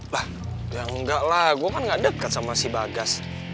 lah ya enggak lah gue kan gak dekat sama si bagas